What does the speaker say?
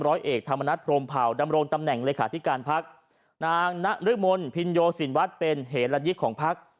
ร้อยเอกธรรมนัฐพรมเผาดำรงตำแหน่งเลขาธิการพักนางนรมนภินโยสินวัฒน์เป็นเหละยิกของพัก